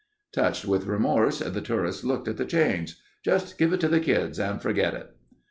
Touched with remorse, the tourist looked at the change. "Just give it to the kids and forget it."